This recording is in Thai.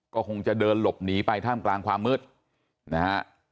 ก็คงจะเดินหลบหนีไปท่ามกลางความมืดนะฮะ